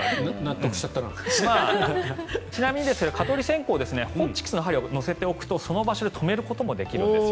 ちなみにですが蚊取り線香ホッチキスの針を乗せておくとその場所で止めることもできるんです。